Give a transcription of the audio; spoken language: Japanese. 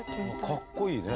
かっこいいね。